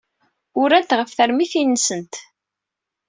Urant ɣef termitin-nsent.